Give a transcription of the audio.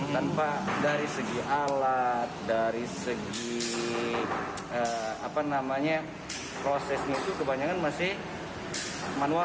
tanpa dari segi alat dari segi prosesnya itu kebanyakan masih manual